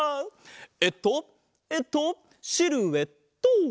えっとえっとシルエット！